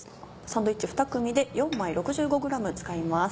サンドイッチ２組で４枚６５ｇ使います。